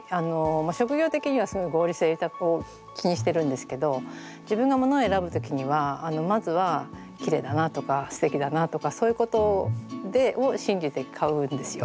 職業的にはすごい合理性を気にしてるんですけど自分がものを選ぶ時にはまずはきれいだなとかすてきだなとかそういうことを信じて買うんですよ。